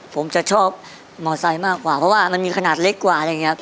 ผมจะชอบมอไซค์มากกว่าเพราะว่ามันมีขนาดเล็กกว่าอะไรอย่างนี้ครับ